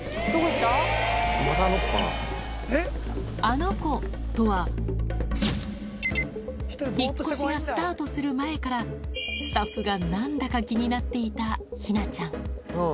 あの子とは引っ越しがスタートする前からスタッフが何だか気になっていたヒナちゃん